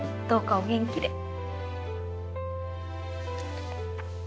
どうかお元気で。